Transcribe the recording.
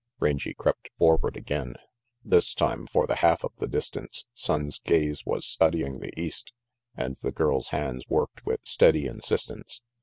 Rangy crept forward again. This time, for the half of the distance, Sonnes' gaze was studying the east, and the girl's hands worked with steady insis tence.